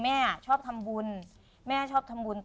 แม่อยากทำบุญคือชอบนางอั่ง